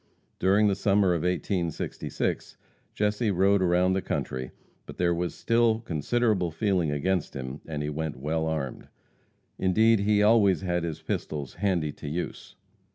During the summer of 1866 Jesse rode around the country, but there was still considerable feeling against him, and he went well armed. Indeed, he always had his pistols "handy to use."